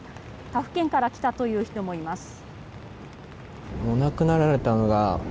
他府県から来たという人もいます。